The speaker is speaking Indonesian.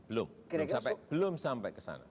belum belum sampai ke sana